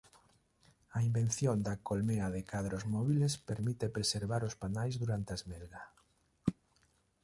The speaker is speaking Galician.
A invención da colmea de cadros móbiles permite preservar os panais durante a esmelga.